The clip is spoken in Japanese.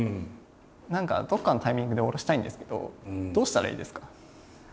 何かどっかのタイミングで降ろしたいんですけどどうしたらいいんですか？